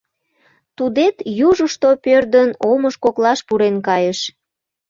Тудет, южышто пӧрдын, омыж коклаш пурен кайыш.